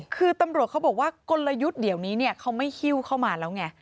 คือตำรวจเขาบอกว่ากลยุทธ์เดี๋ยวนี้เขาไม่ฮิ้วเข้ามาแล้วไง